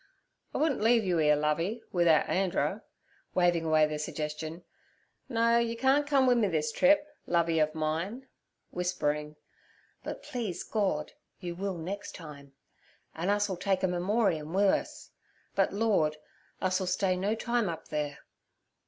'I wouldn't leave you 'ere, Lovey, wi'out Anderer.' Waving away the suggestion, 'No, you can't come wi' me this trip, Lovey ov mine'—whispering—'but please Gord you will nex' time. An' us'll take a memorium wi' us. But Lord, us'll stay no time up theere.'